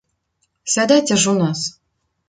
Сядайце ж у нас.